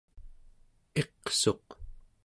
iqsuq